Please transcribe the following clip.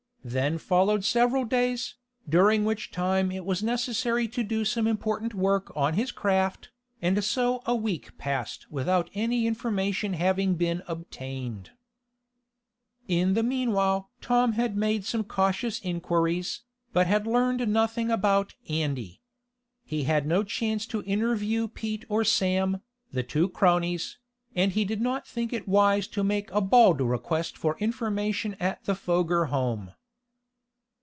Then followed several days, during which time it was necessary to do some important work on his craft, and so a week passed without any information having been obtained. In the meanwhile Tom had made some cautious inquiries, but had learned nothing about Andy. He had no chance to interview Pete or Sam, the two cronies, and he did not think it wise to make a bald request for information at the Foger home.